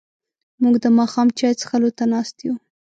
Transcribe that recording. موږ د ماښام چای څښلو ته ناست یو.